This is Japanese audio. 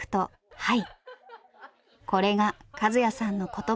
はい。